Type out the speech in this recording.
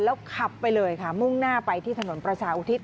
แล้วขับไปเลยค่ะมุ่งหน้าไปที่ถนนประชาอุทิศ